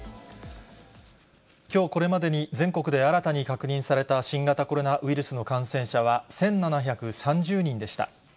きょうこれまでに全国で新たに確認された新型コロナウイルスの感染者は、１７３０人でした。